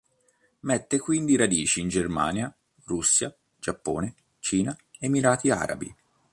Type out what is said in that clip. Mette quindi radici in Germania, Russia, Giappone, Cina, Emirati Arabi.